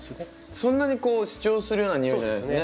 そんなに主張するような匂いじゃないですよね。